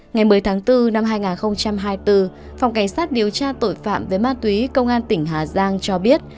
ngày một mươi tháng bốn năm hai nghìn hai mươi bốn phòng cảnh sát điều tra tội phạm về ma túy công an tỉnh hà giang cho biết